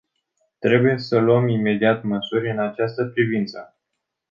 Trebuie să luăm imediat măsuri în această privință.